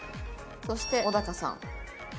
そして尾高さん。